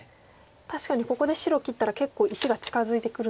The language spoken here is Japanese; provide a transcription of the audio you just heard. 確かにここで白切ったら結構石が近づいてくるので。